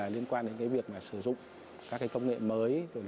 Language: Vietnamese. liên quan đến việc sử dụng các công nghệ mới